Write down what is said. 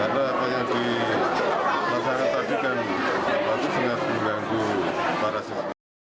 ada apa yang dimasakkan tadi kan apa itu senyap mengganggu para siswa